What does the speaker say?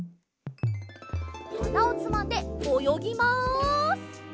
はなをつまんでおよぎます。